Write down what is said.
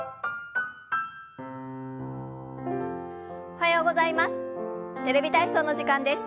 おはようございます。